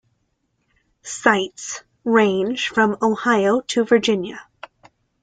Sites range from Ohio to Virginia.